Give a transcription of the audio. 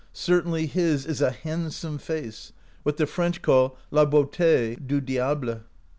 Certainly his is a handsome face, what the French call la beaute du diable.